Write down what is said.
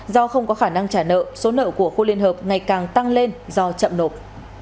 do không có khả năng trả nợ số nợ của khu liên hợp ngày càng tăng lên do chậm nộp